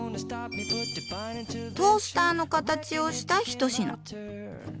トースターの形をした一品。